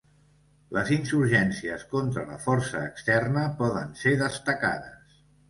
Les insurgències contra la força externa poden ser destacades.